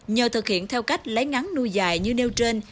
nhờ thực hiện theo cách lấy ngắn nuôi dài như nêu trên